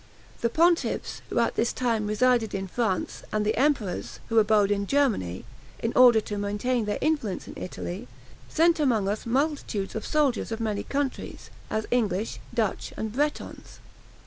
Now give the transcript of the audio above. The pontiffs, who at this time resided in France, and the emperors, who abode in Germany, in order to maintain their influence in Italy, sent among us multitudes of soldiers of many countries, as English, Dutch, and Bretons.